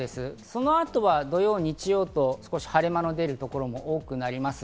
その後は土曜、日曜と少し晴れ間の出る所も多くなります。